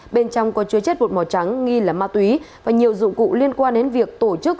bên trong có chứa chất bột màu trắng nghi là ma túy và nhiều dụng cụ liên quan đến việc tổ chức